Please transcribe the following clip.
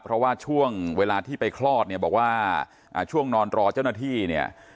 เพราะว่าช่วงเวลาที่ไปคลอดเนี่ยบอกว่าช่วงนอนรอเจ้าหน้าที่เนี่ย